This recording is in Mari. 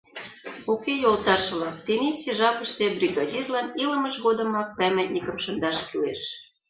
Уке, йолташ-влак, тенийсе жапыште бригадирлан илымыж годымак памятникым шындаш кӱлеш!